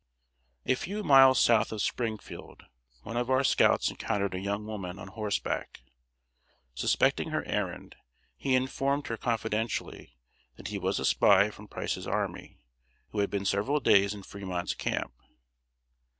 ] A few miles south of Springfield one of our scouts encountered a young woman on horseback. Suspecting her errand, he informed her confidentially that he was a spy from Price's army, who had been several days in Fremont's camp.